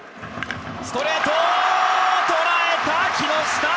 ストレート、捉えた木下！